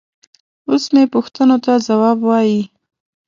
اوس مې پوښتنو ته ځواب وايي.